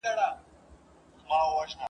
کیسه دي راوړه راته قدیمه ..